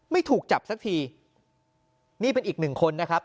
ไม่ถูกจับสักทีนี่เป็นอีกหนึ่งคนนะครับ